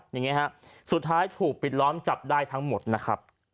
อย่างนี้ฮะสุดท้ายถูกปิดล้อมจับได้ทั้งหมดนะครับ